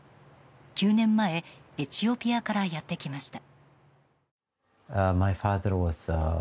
９年前、エチオピアからやってきました。